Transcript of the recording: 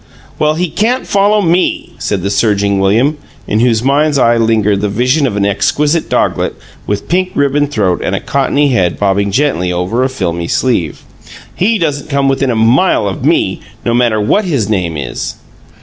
"Well, he can't follow ME!" said the surging William, in whose mind's eye lingered the vision of an exquisite doglet, with pink ribboned throat and a cottony head bobbing gently over a filmy sleeve. "He doesn't come within a mile of ME, no matter what his name is!"